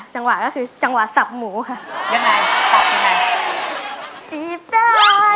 จังหวะก็คือจังหวะสับหมูค่ะ